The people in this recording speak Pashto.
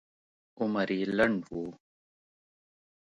عمر یې لنډ و.